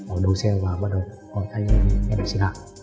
ở đầu xe và bắt đầu thay đổi xe đạp xe đạp